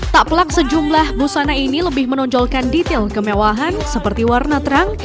tak pelak sejumlah busana ini lebih menonjolkan detail kemewahan seperti warna terang